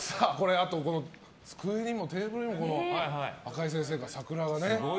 机にもテーブルにも赤井先生から桜がね。